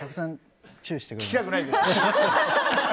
聞きたくないです。